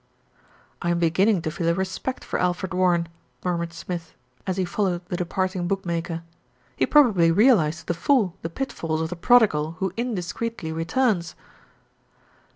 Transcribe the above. "I'm beginning to feel a respect for Alfred Warren," NERO IN DISGRACE 181 murmured Smith, as he followed the departing book maker. "He probably realised to the full the pitfalls of the prodigal who indiscreetly returns